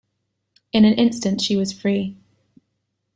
In an instant she was free.